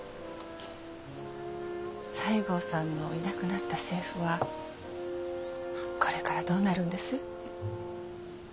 西郷さんのいなくなった政府はこれからどうなるんです？